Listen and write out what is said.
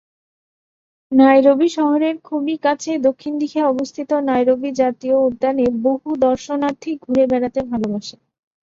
Nairobi শহরের খুবই কাছে দক্ষিণ দিকে অবস্থিত নাইরোবি জাতীয় উদ্যানে বহু দর্শনার্থী ঘুরে বেড়াতে ভালবাসে।